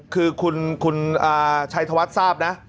คือคุณชัยธวัฒน์ทราบนะ